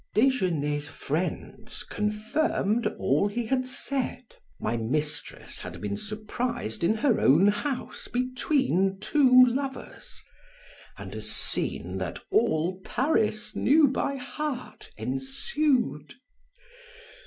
Desgenais' friends confirmed all he had said. My mistress had been surprised in her own house between two lovers, and a scene that all Paris knew by heart ensued.